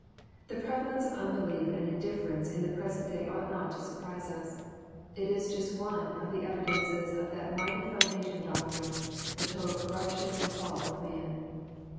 The prevalence of unbelief and indifference in the present day ought not to surprise us. It is just one of the evidences of that mighty foundation doctrine, the total corruption and fall of man.